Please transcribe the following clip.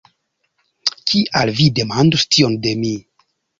Kial vi demandus tion de mi?